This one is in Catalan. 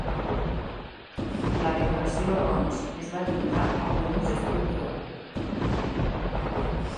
La decoració doncs, es va limitar a un ús estructural.